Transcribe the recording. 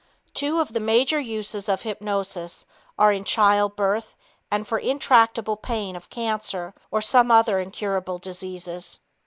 Two of the major uses of hypnosis are in childbirth and for intractable pain of cancer or some other incurable diseases.